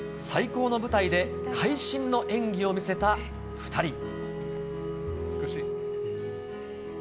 最高の舞台で、会心の演技を見せた２人。